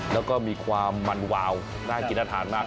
แล้วก็มีความมันวาวน่ากินน่าทานมาก